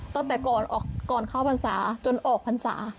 ตั้งแต่ก่อนเข้าพรรษาจนออกพรรษา